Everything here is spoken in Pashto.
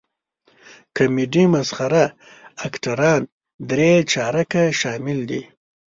کمیډي مسخره اکټران درې چارکه شامل دي.